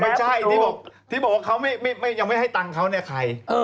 ไม่ใช่ที่บอกว่าเขายังไม่ให้ตังค์เขาเนี่ยใคร